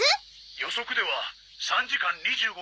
「予測では３時間２５分３０秒後」